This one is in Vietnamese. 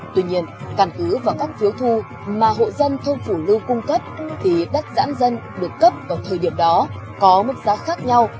tuy nhiên căn cứ vào các phiếu thu mà hộ dân thôn phủ lưu cung cấp thì đất giãn dân được cấp vào thời điểm đó có mức giá khác nhau